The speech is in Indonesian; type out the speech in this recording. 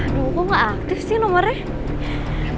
aduh kok gak aktif sih nomernya